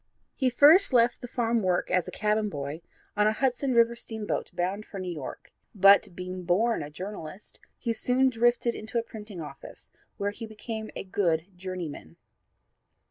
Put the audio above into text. He first left the farm work as a cabin boy on a Hudson river steamboat bound for New York, but being born a journalist he soon drifted into a printing office where he became a good journeyman.